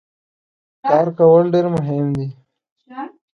کار کول ډیر مهم دي.